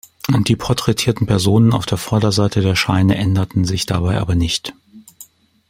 Die porträtierten Personen auf der Vorderseite der Scheine änderten sich dabei aber nicht.